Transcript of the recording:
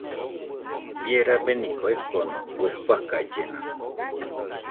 Bie rabeniko ekoko, kue fakallena